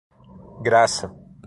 Graça